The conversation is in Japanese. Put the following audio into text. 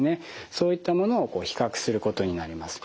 そういったものを比較することになります。